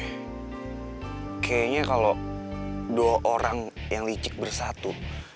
kayaknya kalau dua orang yang licik bersatu